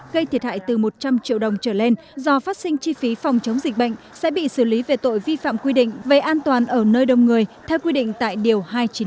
gây thiệt hại từ một trăm linh triệu đồng trở lên do phát sinh chi phí phòng chống dịch bệnh sẽ bị xử lý về tội vi phạm quy định về an toàn ở nơi đông người theo quy định tại điều hai trăm chín mươi năm